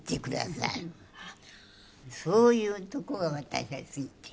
そういうとこが私は好いて。